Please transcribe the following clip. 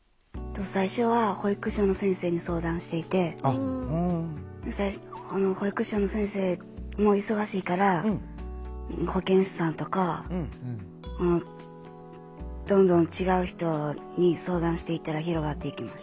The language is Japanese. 最初は保育所の先生に相談していて保育所の先生も忙しいから保健師さんとかどんどん違う人に相談していったら広がっていきました。